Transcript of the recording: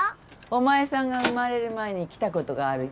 お前さんが生まれる前に来たことがある。